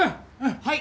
はい。